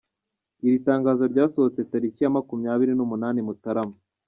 Iri tangazo ryasohotse tariki ya makumyabiri n’umunani Mutarama